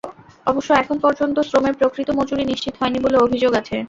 অবশ্য এখন পর্যন্ত শ্রমের প্রকৃত মজুরি নিশ্চিত হয়নি বলে অভিযোগ আছে।